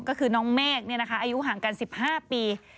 ก็คือน้องแม่งนี่นะคะอายุห่างกัน๑๕ปี